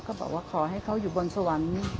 บอกว่าขอให้เขาอยู่บนสวรรค์